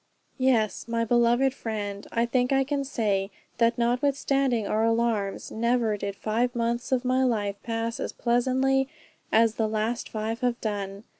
Yes, my beloved friend, I think I can say, that notwithstanding our alarms, never did five months of my life pass as pleasantly as the last five have done.